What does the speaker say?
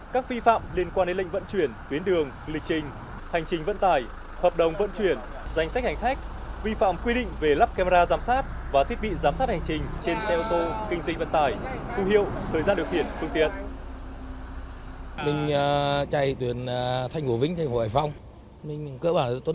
các vi phạm liên quan đến lệnh vận chuyển tuyến đường lịch trình hành trình vận tải hợp đồng vận chuyển danh sách hành khách vi phạm quy định về lắp camera giám sát và thiết bị giám sát hành trình trên xe ô tô kinh doanh vận tải khu hiệu thời gian điều khiển phương tiện